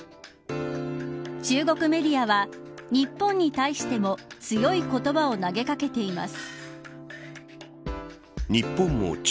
中国メディアは日本に対しても強い言葉を投げかけています。